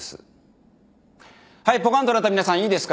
はいポカンとなった皆さんいいですか。